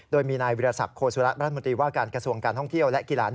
โดยมีนายวิทยาศักดิโคสุระรัฐมนตรีว่าการกระทรวงการท่องเที่ยวและกีฬา